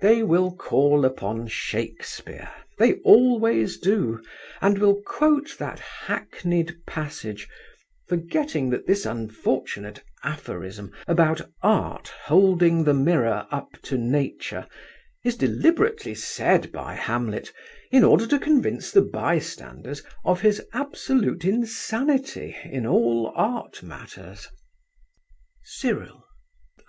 They will call upon Shakespeare—they always do—and will quote that hackneyed passage forgetting that this unfortunate aphorism about Art holding the mirror up to Nature, is deliberately said by Hamlet in order to convince the bystanders of his absolute insanity in all art matters.' CYRIL.